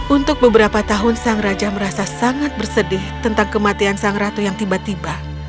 untuk beberapa tahun sang raja merasa sangat bersedih tentang kematian sang ratu yang tiba tiba